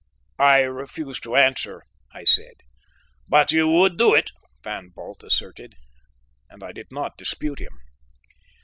"I refuse to answer," I said. "But you would do it!" Van Bult asserted, and I did not dispute him.